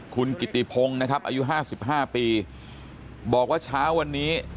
คุณกิติพงนะครับอายุห้าสิบห้าปีบอกว่าเช้าวันนี้